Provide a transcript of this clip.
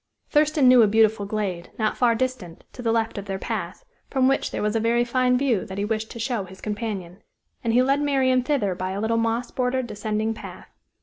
Thurston knew a beautiful glade, not far distant, to the left of their path, from which there was a very fine view that he wished to show his companion. And he led Marian thither by a little moss bordered, descending path.